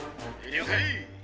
「了解」。